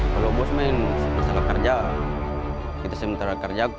kalau bos main masalah kerja kita sementara kerja